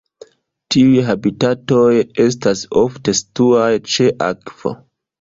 Tiuj habitatoj estas ofte situaj ĉe akvo.